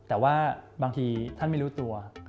แต่ว่าบางทีท่านไม่รู้ตัว